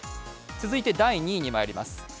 続いて第２位にまいります。